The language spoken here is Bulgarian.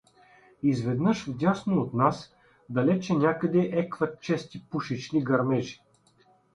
Изведнъж вдясно от нас, далече някъде, екват чести пушечни гърмежи.